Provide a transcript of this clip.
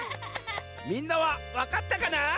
みんなはわかったかな？